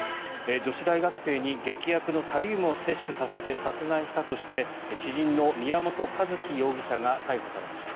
女子大学生に劇薬のタリウムを摂取させて殺害したとして知人の宮本一希容疑者が逮捕されました。